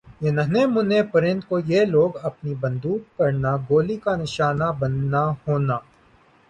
یِہ ننھے مننھے پرند کو یِہ لوگ اپنی بندوق کرنا گولی کا نشانہ بننا ہونا